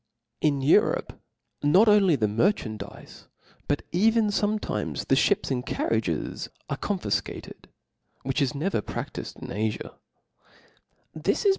In Europe not only the merchan<» dizes, but even fometimes the (hips and carriages are confifcated ; which is never pradlifcd in Afia, This is.